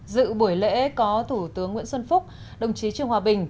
dự buổi lễ có thủ tướng nguyễn xuân phúc đồng chí trương hòa bình